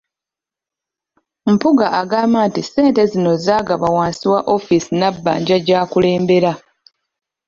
Mpuuga agamba nti ssente zino zaagabwa wansi wa woofiisi Nabbanja gy'akulembera.